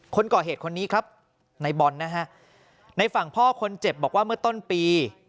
คนก่อเหตุคนนี้ครับในบอลนะฮะในฝั่งพ่อคนเจ็บบอกว่าเมื่อต้นปี